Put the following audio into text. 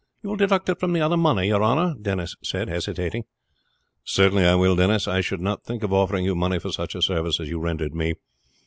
"You will deduct it from the other money, your honor?" Denis said, hesitating. "Certainly I will, Denis. I should not think of offering you money for such a service as you rendered me.